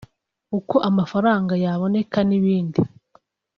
uko amafaranga yaboneka n’ibindi